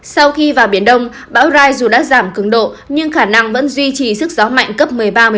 sau khi vào biển đông bão rai dù đã giảm cứng độ nhưng khả năng vẫn duy trì sức gió mạnh cấp một mươi ba một mươi bốn